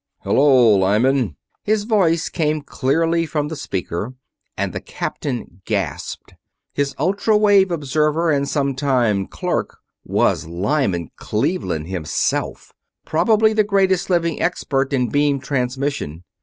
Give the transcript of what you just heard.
"Hello, Lyman," his voice came clearly from the speaker, and the Captain gasped his ultra wave observer and sometime clerk was Lyman Cleveland himself, probably the greatest living expert in beam transmission!